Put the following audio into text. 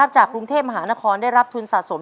จากกรุงเทพมหานครได้รับทุนสะสม